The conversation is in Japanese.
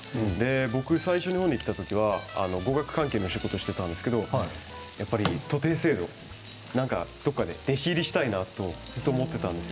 僕が最初に日本に来た時は語学関係の仕事をしていたんですが徒弟制度、どこかに弟子入りしたいと思ってたんです。